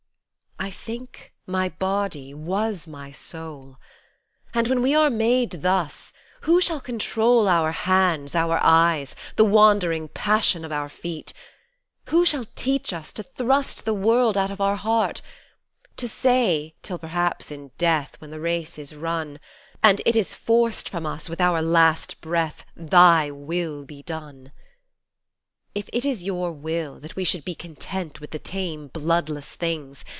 I think my body was my soul, And when we are made thus Who shall control Our hands, our eyes, the wandering passion of our feet, Who shall teach us To thrust the world out of our heart ; to say, till perhaps in death, When the race is run, And it is forced from us with our last breath " Thy will be done "? If it is Your will that we should be content with the tame, bloodless things.